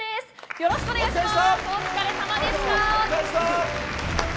よろしくお願いします。